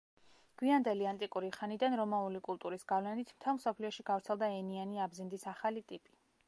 გვიანდელი ანტიკური ხანიდან რომაული კულტურის გავლენით მთელ მსოფლიოში გავრცელდა ენიანი აბზინდის ახალი ტიპი.